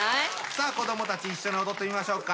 さあ子どもたち一緒におどってみましょうか。